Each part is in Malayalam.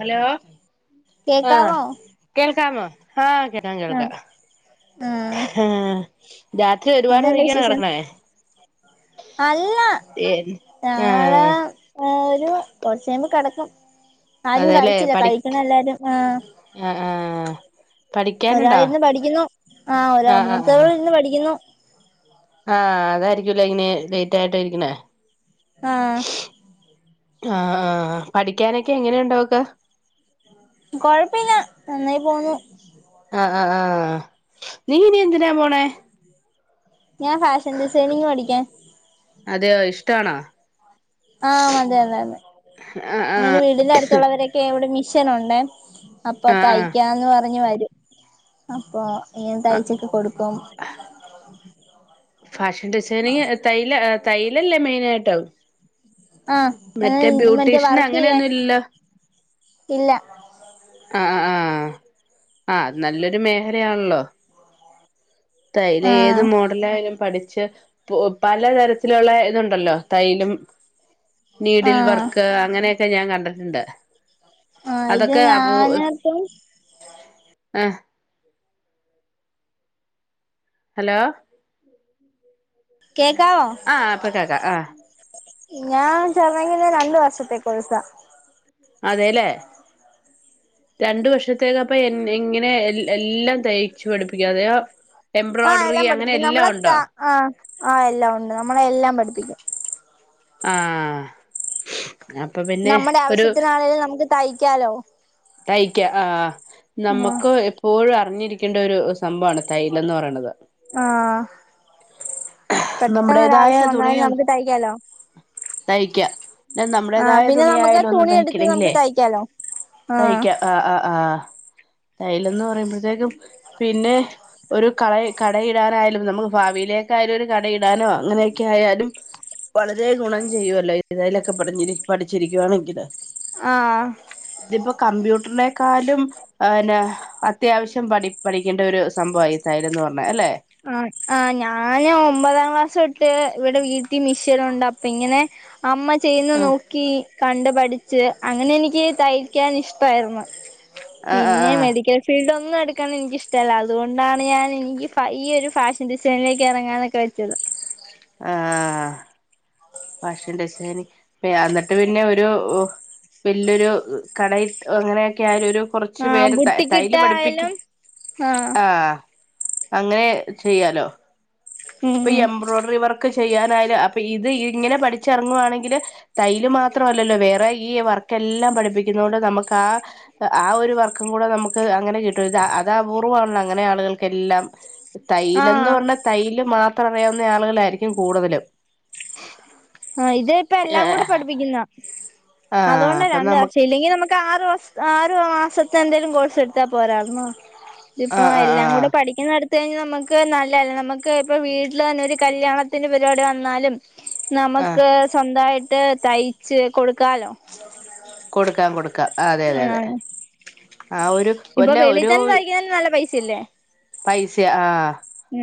ഹലോ ആഹ് കേക്കാവോ കേൾക്കാമോ ആഹ് കേ കേൾക്ക. ആഹ് ആഹ് ഹാ രാത്രി ഒരുപാട് എന്നാണ്ട് വൈകി ആണോ വിശേഷം കിടക്കണേ? അല്ല ഏഹ് ഞങ്ങള് ആഹ് ഒരു കൊർചയ്യുമ്പോ കിടക്കും. ആരും കഴിച്ചില്ല കഴിക്കണം എല്ലാരും ആഹ് ആ ആ ഒരാളിരുന്ന് പഠിക്കുന്നു ആ ഒരാ ആഹ് ആഹ് ആഹ് മൂത്തോളിർന്ന് പഠിക്കുന്നു. ആഹ് അതായിരിക്കൂലെ ഇനി ലൈറ്റായിട്ടായിരിക്ക്ണേ ആഹ് ആഹ് ആ പഠിക്കാനൊക്കെ എങ്ങനെയുണ്ടോൾക്ക് കൊഴ്പ്പില്ല നന്നായി പോവുന്നു ആഹ്ആഹ് ആഹ് നീ നി എന്തിനാ പോണേ ഞാൻ ഫാഷൻ ഡിസൈനിങ് പഠിക്കാൻ അതെയോ ഇഷ്ടാണോ ആഹ് അതെ അതെ അതെ ആഹ് ഇങ്ങനെ ആഹ് വീടിന്റെ അടുത്തുള്ളവരെ ക്കെ ഇവടെ മിഷനുണ്ടേ അപ്പൊ ആഹ് ആഹ് തയ്ക്കാന്ന് പറഞ് വരും അപ്പൊ ഞാൻ തയ്ച്ചൊക്കെ കൊടുക്കും ഫാഷൻ ഡിസൈനിങ് തൈല തൈലല്ലേ മെയിന ആയിട്ടും ആഹ് മറ്റേ മറ്റേ ബ്യൂട്ടീഷ്യന് വർക്ക് ചെയ്യാൻ അങ്ങനെയൊന്നും ഇല്ലല്ലോ ഇല്ല ആഹ് ആഹ് ആഹ് ആഹ് നല്ലൊരു മേഹലയാണല്ലോ തയ്ലു ഏത് ആഹ് മോ [unintelligible] യാലും പഠിച്ച് പു പലതരത്തിലുള്ള ഇതുണ്ടല്ലോ തൈയ്ലും നീഡിൽ ആഹ് വർക്ക് അങ്ങനെയൊക്കെ ഞാൻ കണ്ടിട്ടണ്ട് ആഹ് ഇത് അതൊക്കെ അപൂ ഞാനിപ്പം ആഹ് ഹലോ കേക്കാവോ ആഹ് ഇപ്പൊകാക്ക ആഹ് ഞാൻ ചേർന്ന്കിണെ രണ്ടുവർഷത്തേ കോയ്സ അതെല്ലേ [inaudible] രണ്ടു വർഷത്തേക്ക അപ്പ എൻ യങ്ങനെ എൽ എല്ലാം തയ്ച്ചു പഠിപ്പിക്കൊ [unintelligible] ആഹ് എംബ്രോയ്ഡറി എല്ലാം അങ്ങനെ പഠിപ്പിക്കും എല്ലാം നമ്മളെ ത ഉണ്ടോ ആഹ് ആഹ് എല്ലാം ഉണ്ട് നമ്മളെ എല്ലാം പഠിപ്പിക്കും ആഹ് [unintelligible] നമ്മുടെ ആവശ്യത്തിനാണെങ്കിലും നമുക്ക് തയ്ക്കാലോ തയ്ക്ക ആഹ് ആഹ് ആഹ് നമ്മക്ക് പ്പോഴും അറിഞ്ഞിരിക്കേണ്ട ഒരു സംഭവമാണ് തൈലന്ന് പറയണത് ആ നമ്മുടേതായ പെട്ടെന്ന്ഒരാവശ്യം വന്നാ തുണിയും നമുക്ക് തയ്ക്കാലോ തയ്ക്ക എന്നാ ആഹ് നമ്മുടേതായ പിന്നെ നമുക്ക് തുണിയായാലും ഒന്ന് തുണി എടുത്ത് നമുക്ക് തയ്ക്കണെങ്കിലെ തയ്ക്കാലോ തയ്ക്ക ആഹ് ആഹ് ആഹ് തൈലന്ന് പറയുമ്പോഴത്തേക്കും പിന്നെ ഒരു കള കടയിടാനായാലും നമു ഭാവിയിലേക്കായാലും ഒരു കടയിടാനോ അങ്ങനെയൊക്കെ ആയാലും വളരെ ഗുണം ചെയ്യുവല്ലോ ഏതായലൊക്കെ [unintelligible] പഠിച്ചിരിക്കുകവാണെങ്കില് ആഹ് ഇതിപ്പോ കമ്പ്യൂട്ടറിനെക്കാലും അഹ് അന്നേ അത്യാവശ്യം പഠി പഠിക്കേണ്ടൊരു സംഭവ ഇ തയ്യെലെന്ന് പറഞ്ഞ അല്ലേ ആ ആ ഞാന് ഒമ്പതാം ക്ലാസൊട്ട് ഇവിടെ വീട്ടിൽ മിഷനുണ്ട് അപ്പൊ ഇങ്ങനെ അമ്മ ചെയ്ന്ന് ആഹ് നോക്കി കണ്ട് പഠിച്ച് അങ്ങനെ എനിക്ക് തയ്ക്കാൻ ഇഷ്ടായിരുന്നു. ആഹ് പിന്നെ ആഹ് മെഡിക്കൽ ഫീൽഡ് ഒന്നും എടുക്കാൻ എനിക്കിഷ്ടല്ല അതുകൊണ്ടാണ് ഞാൻ എനിക്ക് പ ഈ ഒരു ഫാഷൻ ഡിസൈനിലേക്ക് ഇറങ്ങാനൊക്കെ വെച്ചത് ആഹ് ഫാഷൻ ഡിസൈനി [unintelligible] എന്നിട്ട് പിന്നെ ഒരു വല്യയൊരു കടയി അങ്ങനെയൊക്കെ ആയാ ഒരു കൊർച്ചു ആ പേര് ത ബുട്ടിക്കിട്ട തൈല്‌ പഠിപ്പിക്കും ആയാലും ആ ആഹ് അങ്ങനേ ചെയ്യാലോ [inaudible] പ്പൊ ഇ എംബ്രോയ്ഡറി വർക്ക് ചെയ്യാനായല് അപ്പൊ ഇത് ഇങ്ങനെ പഠിച്ചിറങ്ങുവാണെങ്കില് തൈല് മാത്രമല്ലല്ലോ വേറെ ഈ വർക്കെല്ലാം പഠിപ്പിക്കുന്ന കൊണ്ട് നമുക്ക് ആ ആ ഒരു വർക്കും കൂടെ നമുക്ക് അങ്ങനെ കിട്ടും ഇത് അത് അപൂർവ്വമാണല്ലോ അങ്ങനെ ആളുകൾക്കെല്ലാം ആ തൈലെന്ന് പറഞ്ഞാ തൈല് മാത്രം അറിയാവുന്ന ആളുകളായിരിക്കും കൂടുതല് ആ ഇത് ഇപ്പ എല്ലാം കൂടെ പഠിപ്പിക്കുന്ന ആഹ് അതുകൊണ്ട അപ്പൊ രണ്ട് നമുക്ക് വർഷം ഇല്ലെങ്കി നമു ക്കാറ് വർഷ് ആറ് മാസത്തെ എന്തെലും കോഴ്സ് എടുത്താ പോരാര്ന്നോ ഇതിപ്പോ ആഹ് ആഹ് എല്ലാം ആഹ് കൂടി പഠിക്കുന്നേട്ത്തഴിഞ്ഞാ നമുക്ക് നല്ലതല്ല നമുക്ക് ഇപ്പോൾ വീട്ടിൽ തന്നെ ഒരു കല്യാണത്തിന് പരിപാടി വന്നാലും ആഹ് നമക്ക് സ്വന്തായിട്ട് തയ്ച്ച് കൊടുക്കാലോ കൊടുക്കാം കൊടുക്കാം അതെ അതെ അതെ ആഹ് ആ ഒരു ഇപ്പൊ വല്ല വെളിത്തന്നെ തയ്ക്കാൻ നല്ല പൈസ ഇല്ലേ പൈസ്യ ആ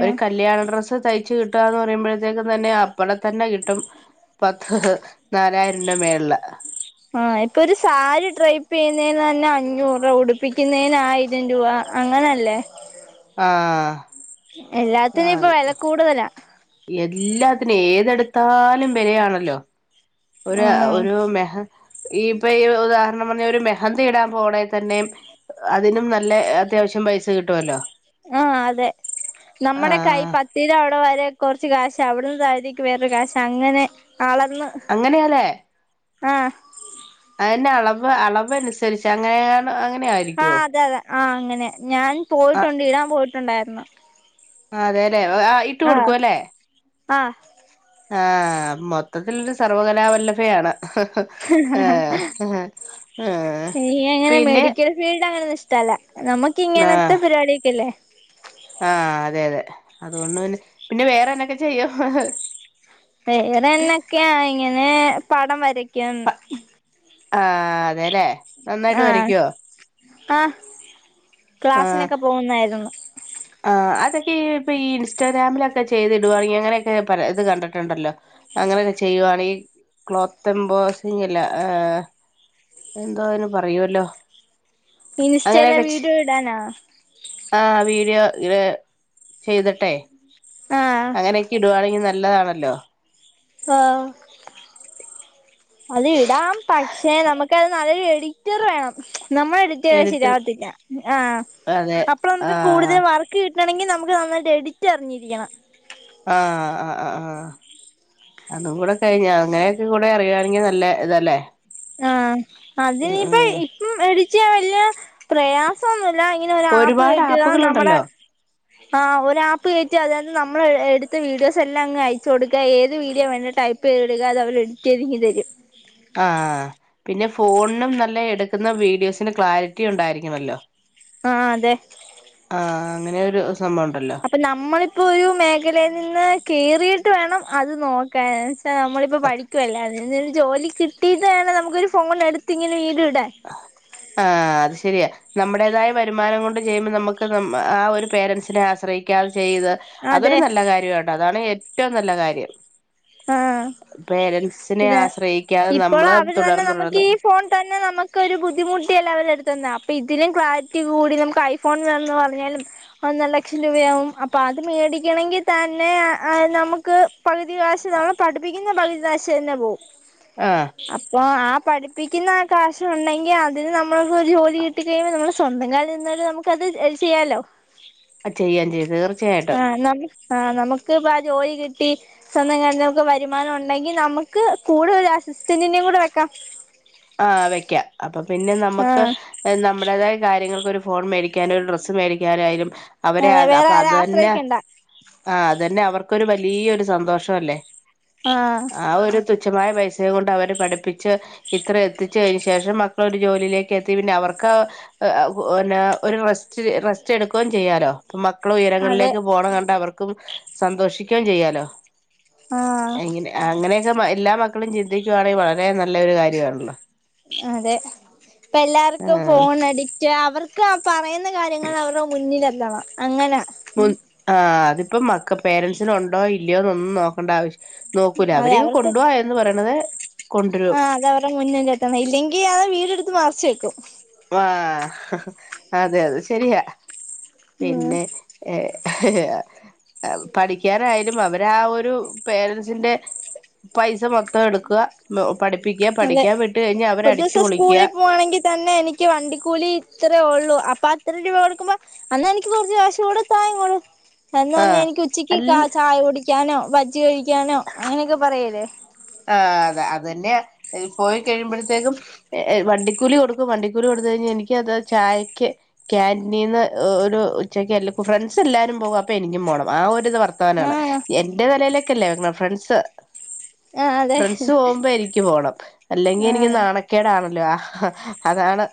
ഒരു കല്യാണ ഡ്രസ്സ് തയ്ച്ച് കിട്ട് ട്ടാന്ന് പറയുമ്പോഴത്തേക്കും തന്നെ അപ്പള തന്നെ കിട്ടും പത്ത് നാലായിരം രൂപ മേള്ല ആ ഇപ്പൊ ഒരു സാരി ട്രൈപ്പ് ചെയ്യുന്നേന് തന്നെ അഞ്ഞൂറ്രൂപ ഉടിപ്പിക്കുന്നതിന് ആയിരം രൂപ അങ്ങനല്ലേ ആഹ് എല്ലാത്തിനും ഇപ്പൊ ആഹ് വെല കൂടുതലാ എല്ലാത്തിനും ഏതെടുത്താലും വിലയാണല്ലോ ഒരു അ ആഹ് ഒരു മെഹ ഈ ഇപ്പൊ ഈ ഉദാഹരണം പറഞ്ഞാ ഒരു മെഹന്തി ഇടാൻ പോണെ തന്നെയും അതിനും നല്ല അത്യാവശ്യം പൈസ കിട്ടുവല്ലോ ആ അതെ നമ്മുടെ കൈ ആഹ് പ ത്തീടെ അവിടെ വരെ കൊർച്ച് കാശ് അവിടുന്ന് തായിത്തീക്ക് വേറൊരു കാശ് അങ്ങനെ അളന്ന് അങ്ങനെയാലേ ആഹ് അഅന്നെ അളവ് അളവ് അനുസരിച്ച് അങ്ങനെയാണ് അങ്ങനെയായിരിക്കും ആ അതെ അതെ ആ അങ്ങനെ ഞാൻ ആ പോയിട്ടുണ്ട് ഇടാൻ പോയിട്ടുണ്ടായിരുന്നു ആ അതെലെ ആ ഇപ് ആഹ് ആഹ് ആ മൊത്തത്തിൽരു സർവ്വകലാവല്ലഭയാണ് ആഹ് ഹ് ഹാ ആഹ് എനിക്ക് അങ്ങനെ പിന്നെ മെഡിക്കൽ ഫീൽഡ് അങ്ങനെ ഒന്നും ഇഷ്ടല്ല നമക്ക് ഇങ്ങനത്തെ പരിപാടിയിക്കെല്ലേ ആഹ് അതെ അതെ അതുകൊണ്ട് പിന്നെ പിന്നെ വേറെന്നെക്കെ ചെയ്യും വേറെന്തൊക്കെയ ഇങ്ങനെ പടം വരക്കും ആഹ് അതെല്ലേ നന്നായിട്ട് ആഹ് വരയ്ക്കുവോ ആഹ് ക്ലാസിനൊക്കെ പോകുന്നായിരുന്നു. ആഹ് അതൊക്കെ പ്പ ഈ ഇൻസ്റ്റാഗ്രാമിലൊക്കെ ചെയ്തിടുവാണങ്ങി. അങ്ങനെയൊക്കെ പല ഇത് കണ്ടിട്ടുണ്ടല്ലോ അങ്ങനെയൊക്കെ ചെയ്യുവണെങ്കിൽ ക്ലോത്ത് എബോസിങ്ങല്ല എന്തോ അതിന് പറയുവല്ലോ ഇൻസ്റ്റേലെ വീഡിയോ ഇടാനാ ആഹ് വീഡിയോ ഇങ്ങനെ ചെയ്ത്ട്ടേ ആഹ് അങ്ങനെയെക്കിടുവാണെങ്കിൽ നല്ലതാണല്ലോ ആഹ് അത് ഇടാം പക്ഷെ നമുക്ക് അത് നല്ല ഒര് എഡി റ്ററ് വേണം നമ്മള് എഡിറ്റെയ്താ എഡിറ്റർ ശരിവത്തില്ല ആഹ് അതെ അപ്പള് ആ നമുക്ക് കൂടുതല് വർ ക്ക് കിട്ടണെങ്കി നമുക്ക് നന്നായിട്ട് എഡിറ്റ് അറിഞ്ഞിരിക്കണം ആഹ് ആഹ് ആഹ് ആഹ് അതും കൂടെ കഴിഞ്ഞാ അങ്ങനെയൊക്കെക്കൂടെ അറിയുവാണെങ്കിൽ നല്ല ഇതല്ലേ ആഹ് ഉം ഉം അതിനിപ്പം ഇപ്പം എടിച്ച വല്യ പ്രയാസൊന്നുവില്ല ഇങ്ങനെ ഒരു ആപ്പ് ഒരുപാട് കേറ്റുക നമ്മടെ ആപ്പുകളുണ്ടല്ലോ ആഹ് ഒരു ആപ്പ് കേറ്റി അതിനാത്ത് നമ്മള് എ എടുത്ത വീഡിയോസ് എല്ലാം അങ്ങ് അയച്ചു കൊടുക്കുവ ഏത് വീഡിയോ വേണ്ടേ ടൈ പ്പേടുകദേ അതവര് എഡിറ്റ് ചെയ്തിങ്ങു തെരും ആഹ് ആഹ് പിന്നെ ഫോണിനും നല്ലെ എടുക്കുന്ന വീഡിയോസിന് ക്ലാരിറ്റി ഉണ്ടാരിക്കണോല്ലോ ആഹ് അതെ ആഹ് അങ്ങനെ ഒരു സംഭവം ഒണ്ടല്ലോ പ്പം നമ്മള് ഇപ്പൊ ഒരു മേഖലയിൽ നിന്ന് കേറീട്ട് വേണം അത് നോ ക്കാന് ച്ച മ്മളിപ്പൊ പഠിക്കുവല്ലേ അതിൽനി ജോലി കിട്ടീട്ട് വേണം നമുക്കൊരു ഫോൺ എടുത്തിങ്ങനെ വീഡിയോ ഇടാൻ അതു അത് ശെരിയാ നമ്മുടേതായ വരുമാനം കൊണ്ട് ചെയ്യുമ്പം നമുക്ക് നമ്മ ആഹ് ഒരു പേരൻറ്സിനെ ആശ്രയി ക്കാതെ ചെയ്ത് അതെ അതൊരു നല്ല കാര്യാട്ടോ അതാണ് ഏറ്റൊം നല്ല കാര്യം ആഹ് പേരൻസിനെ പിന്നെ ആശ്രയിക്കാതെ നമ്മള് ഇപ്പോളവര് തന്നെ തുടർന്ന് നമുക്ക് തുടർന്ന് ഈ ഫോൺ തന്നെ നമുക്ക് ക്കൊരു ബുദ്ധിമുട്ടിയല്ലെ അവരെടുത്തന്നെ അപ്പൊ ഇതിലും ക്ലാരിറ്റി കൂടി നമുക്ക് ഐഫോൺ വേണന്ന് പറഞ്ഞാലും ഒന്നര ലക്ഷം രൂപയാകും അപ്പൊ അത് മേടിക്കണെങ്കിൽ തന്നെ അത് നമുക്ക് പകുതി കാശ് നമ്മളെ പഠിപ്പിക്കുന്ന പകുതി കാശ് തന്നെ പോവും ആഹ് അപ്പൊ ആഹ് പഠിപ്പിക്കുന്ന ആഹ് കാശൊണ്ടെങ്കി അതിന് നമ്മൾക്ക് ഒരു ജോലി കിട്ടി കഴിയുമ്പോ നമ്മള് സ്വന്തം കാലി നിന്നാലും നമുക്കത് അത് ചെയ്യാലൊ അ ചെയ്യാം ചെയ്യാം തീർച്ചയായിട്ടും ആ നമുക്കിപ്പാ ജോലി കിട്ടി സ്വന്തം കാലി മക്ക് വരുമാനം ഒണ്ടെങ്കിൽ നമക്ക് കൂടെ ഒരു അസിസ്റ്റന്റിനേം കൂടെ വെക്കാം ആ വെയ്ക്കാം അപ്പൊ പിന്നെ നമ്മക്ക് ആഹ് ഏ നമ്മടേതായ കാര്യങ്ങൾക്ക് ഒരു ഫോൺ മേടിക്കാനോ ഒരു ഡ്രസ്സ് മേടിക്കാനോയാലും അവരെ അതെ അത് വേറെ അപ്പൊ ആരെ അതന്നെ ആശ്രയിക്കണ്ട ആ അതന്നെ അവർക്കൊരു വലിയൊരു സന്തോഷല്ലേ ആ ആ ഒരു തുച്ഛമായ പൈസേം കൊണ്ട് അവര് പഠിപ്പിച്ച് ഇത്രേം എത്തിച്ച് അയിന് ശേഷം മക്കളൊരു ജോലിയിലേക്ക് എത്തി പിന്നെ അവർക്ക് എ അ ഒ പിന്നെ ഒരു റെസ്റ്റ് റെസ്റ്റെടുക്കുവെം ചെയ്യാലൊ അതെ മക്കളുയരങ്ങളിലേക്ക് പോണ കണ്ട് അവർക്കും സന്തോഷിക്കുവെ ചെയ്യാലോ ആഹ് എങ്ങിനെ അങ്ങനെയൊക്കെ എല്ലാ മക്കളും ചിന്തിക്കുവാണെ വളരേ നല്ലൊരു കാര്യവാണല്ലോ അതെ പ്പൊ ആ എല്ലാർക്കും ഫോൺ അഡിക്റ്റാ അവർ ക്കാ പറയുന്ന കാര്യങ്ങള് അവർടെ മുന്നിലെത്തണം അങ്ങനാ മും ആ അതിപ്പം മക്ക പേരൻറ്സിനൊണ്ടോ ഇല്ല്യയോന്നൊന്നും നോക്കണ്ട ആവശ്യം നോക്കൂല്ല അതെ അവര് അവർക്ക് കൊണ്ടുവാ എന്ന് പറയണത് ആ കൊണ്ടുവരും അതവർടെ മുന്നിലെത്തണം ഇല്ലെങ്കി അത് വീടെടുത്ത് മറിച്ചു വെക്കും വാ ഹ ഹ അതെയതെ ശെരിയാ ഉം പിന്നെ ഏഹ് പഠിക്കാനായാലും അവരാ ഒരു പേരൻസിന്റെ പൈസ മൊത്തം എടുക്കുക പഠിപ്പിക്കുക അതെ പഠിക്കാൻ വിട്ടു കഴിഞ്ഞാ ഒരു അവരടിച്ചു ദിവസം പൊളിക്ക്യാ സ്കൂളിൽ പോവാണെങ്കിൽ തന്നെ എനിക്ക് വണ്ടിക്കൂലി ഇത്രേ ഒള്ളൂ അപ്പാ ഇത്ര രൂപ കൊടുക്കുമ്പോ അന്നാ എനിക്ക് കുറച്ച് കാശുംകൂട താ ഇങ്ങട് എന്നാ ഞി ആഹ് എനിക്ക് ഉച്ചയ്ക്ക് കാ അല്ല ചായ കുടിക്കാനോ ബജ്ജി കഴിക്കാനോ അങ്ങനെയൊക്കെ പറയല്ലേ ആഹ് അതെ അത് തന്നെയാ പോയി കഴിയുമ്പോഴത്തേക്കും എ വണ്ടിക്കൂലി കൊടുക്കും വണ്ടിക്കൂലി കൊടുത്തു കഴിഞ്ഞാ എനിക്ക് അത് ചായക്ക് കാന്റിനീന്ന് ഒരു ഉച്ചക്ക് എല്ല ഫ്രണ്ട്സെല്ലാരും പോകും അപ്പൊ എനിക്കും പോണം ആ ഒരിത് വർത്താനാണ് ആഹ് എന്റെ തലേലേക്കല്ലേ വരണ് ഫ്രണ്ട്സ് ആഹ് അതെ ഫ്രണ്ട്സ് പോവുമ്പോ എനിക്ക് പോണം അല്ലെങ്കി എനിക്ക് ആഹ് നാണക്കേടാണല്ലോ ആഹ് അതാണ്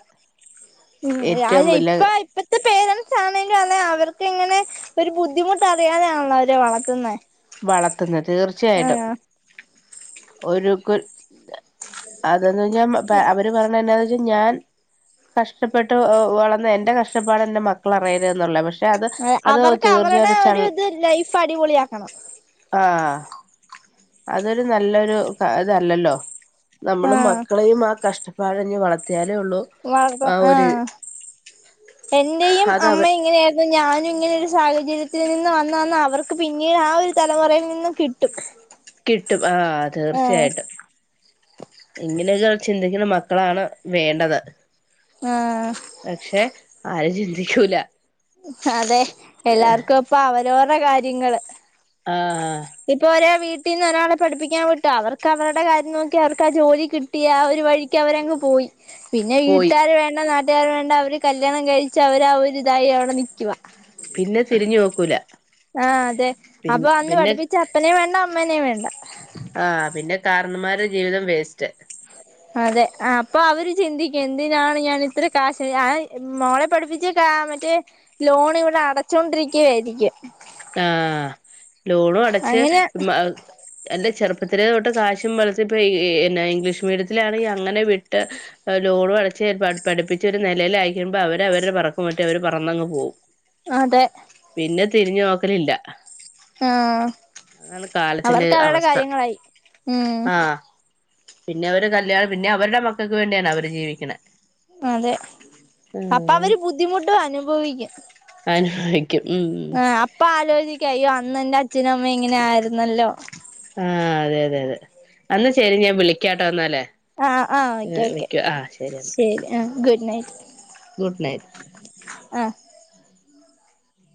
ഉം ഏറ്റവും ഞാനെ വലിയ ഇപ്പൊ ഇപ്പ ത്തെ പേരൻസ് ആണേലും അതെ അവർക്ക് ഇങ്ങനെ ഒരു ബുദ്ധിമുട്ട് അറിയാതെയാണല്ലോ അവരെ വളത്തുന്നെ വളത്തുന്നെ തീർച്ചയായിട്ടും ഒരു കു അതെന്നാവെച്ചാ അവര് പറേണ എന്നാവെച്ചാ ഞാൻ കഷ്ടപ്പെട്ട് വളർന്ന് എന്റെ കഷ്ടപ്പാട് എൻ്റെ മക്കള് അറിയരുത് എന്നുള്ള പക്ഷെ അത് അത് അവർക്ക് അവരുടെ തീർച്ചയായിട്ടും ചൾ ഒരു ഇത് ലൈഫ് അടിപൊളിയാക്കണം ആഹ് അതൊരു നല്ലൊരു തല്ലല്ലോ നമ്മള് ആഹ് മക്കളെയും ആ കഷ്ടപ്പാടഞ് വള വളർത്തും ആ എന്റെയും അത് അവർ അമ്മ ഇങ്ങനെ ന്ന് ഞാനും ഇങ്ങനെ ഒരു സാഹചര്യത്തിൽ നിന്ന് വന്നന്ന് അവർക്ക് പിന്നീട് ആ ഒരു തലമുറയിൽ നിന്നും കിട്ടും കിട്ടും ആഹ് ആഹ് തീർച്ചയായിട്ടും ഇങ്ങനെയൊക്കെ ചിന്തിക്കുന്ന മക്കളാണ് വേണ്ടത് ആഹ് പക്ഷെ ആരും ചിന്തിക്കൂല അതെ എല്ലാർക്കും പ്പൊ അവരോവരുടെ കാര്യങ്ങള് ആഹ് ഇപ്പൊ ഒരാ വീട്ടീന്ന് ഒരാളെ പഠിപ്പിക്കാൻ വിട്ടു. അവർക്ക് അവരുടെ കാര്യം നോക്കി അവർക്ക് ആ ജോലി കി ട്ടി ആ ഒരു വഴിക്ക് അവരങ്ങ് പോയി. പിന്നെ പോയി വീട്ടുകാര് വേണ്ട. നാട്ടുകാര് വേണ്ട. അവര് കല്യാണം കഴിച്ചു അവര് ആ ഒരു ഇതായി അവി ടെ നിക്കുവ പിന്നെ തിരിഞ്ഞു നോക്കൂല ആ അതെ പി അപ്പൊ അന്ന് പിന്നെ പഠിപ്പിച്ച അപ്പനേം വേണ്ട അമ്മനേം വേണ്ട. ആഹ് പിന്നെ കാരണന്മാരെ ജീവിതം വേസ്റ്റ്. [unintelligible] അതെ ആ അപ്പൊ അവര് ചിന്തിക്കും എന്തിനാണ് ഞാൻ ഇത്ര കാശ് ഞാ മോളെ പഠിപ്പി ജി ക ആ മറ്റെ ലോൺ ഇവിടെ അടച്ചൊണ്ടിരിക്യാരിക്കും. ആഹ് ലോണും അടച്ച് അങ്ങനെ മ എൻ്റെ ചെറുപ്പത്തിലെ തൊട്ട് കാശും വളർത്തിപ്പ എന്ന ഇംഗ്ലീഷ് മീഡിയത്തിലാണെങ്കി അങ്ങനെ വിട്ട് ലോണും അടച്ച് പഠിപ്പിച്ച് ഒരു നിലയിലയക്കുമ്പോ അവര് അവരുടെ പറക്കും മറ്റേ അവര് പറന്നങ്ങ് പോവും. അതെ പിന്നെ തിരിഞ്ഞു നോക്കലില്ല ആഹ് അതാണ് കാലത്തിന്റെ അവർക്ക് അവരുടെ അവസ്ഥ കാര്യങ്ങളായി ഉമ് ആഹ് പിന്നെ അവര് കല്യാണം പിന്നെ അവരുടെ മക്കക്ക് വേണ്ടിയാണ് അവര് ജീവിക്കണ്. അതെ അപ്പൊ അവര് ബുദ്ധിമുട്ട് അനുഭവിക്കും. ആഹ് ആഹ് അപ്പൊ ആലോചിക്ക അയ്യോ അന്ന് എന്റെ അച്ഛനും അമ്മയും ഇങ്ങനൊയിരുന്നല്ലോ. ആഹ് അതെ അതെ അന്ന് ശരി ഞാൻ വിളിക്കാട്ടോ ന്നാല് ആഹ് വിക്കൂ ആ ശരി എന്നാ. ഞാനും ഗുഡ് നൈറ്റ് ഗുഡ് നൈറ്റ് ആഹ്